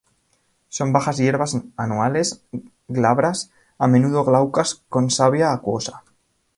Son bajas hierbas anuales, glabras, a menudo glaucas con savia acuosa.